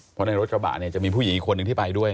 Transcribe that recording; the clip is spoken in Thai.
เพราะในรถกระบะเนี่ยจะมีผู้หญิงอีกคนหนึ่งที่ไปด้วย